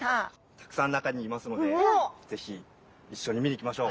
たくさん中にいますので是非一緒に見に行きましょう。